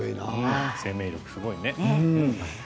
生命力すごいね。